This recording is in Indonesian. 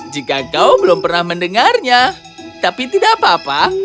jika kau belum pernah mendengarnya tapi tidak apa apa